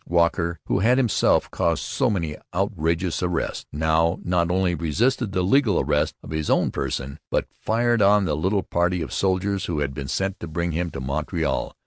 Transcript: Walker, who had himself caused so many outrageous arrests, now not only resisted the legal arrest of his own person, but fired on the little party of soldiers who had been sent to bring him into Montreal.